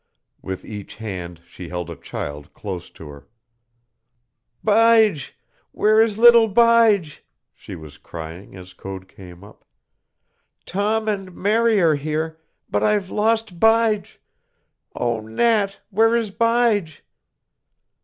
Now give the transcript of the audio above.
With each hand she held a child close to her. "Bige! Where is little Bige?" she was crying as Code came up. "Tom and Mary are here, but I've lost Bige. Oh, Nat! Where is Bige?"